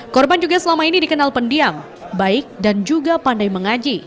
korban juga selama ini dikenal pendiam baik dan juga pandai mengaji